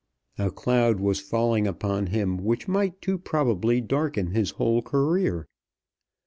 A cloud was falling upon him which might too probably darken his whole career.